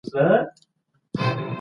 ځيني لارښووني تر واده وروسته اړيني دي.